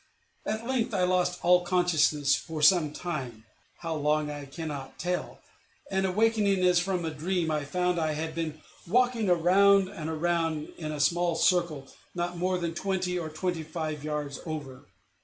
At length I lost all consciousness for some time, how long I cannot tell, and, awaking as from a dream, I found I had been walking round and round in a small circle not more than twenty or twenty five yards over.